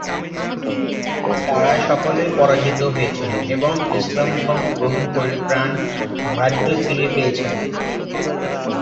তাঁরা সকলে পরাজিত হয়েছেন এবং ইসলাম ধর্ম গ্রহণ করে প্রাণ ও রাজ্য ফিরে পেয়েছেন।